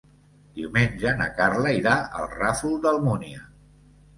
Diumenge na Carla irà al Ràfol d'Almúnia.